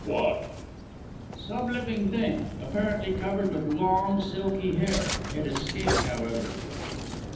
"What?" "Some living thing; apparently covered with long, silky hair. It escaped, however."